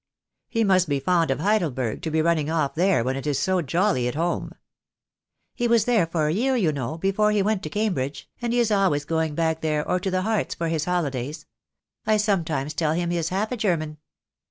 "He must be fond of Heidelberg to be running off there when it is so jolly at home." "He was there for a year, you know, before he went to Cambridge, and he is always going back there or to the Hartz for his holidays. I sometimes tell him he is half a German."